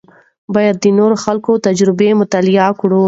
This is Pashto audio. باید د نورو خلکو تجربې مطالعه کړو.